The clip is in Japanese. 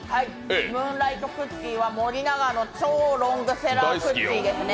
ムーンライトクッキーは森永の超ロングセラークッキーですね。